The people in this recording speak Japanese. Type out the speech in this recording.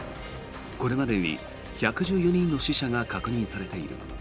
これまでに１１４人の死者が確認されている。